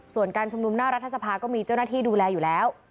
ส่วนการชุมนุมหน้ารัฐสภาก็มีเจ้าหน้าที่ดูแลอยู่แล้ว